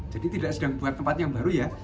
jadi tidak sedang buat tempat yang baru ya